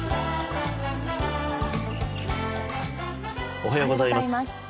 おはようございます。